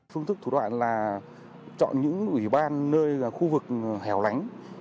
phương thức thủ đoạn là chọn những ủy ban nơi là khu vực hẻo lánh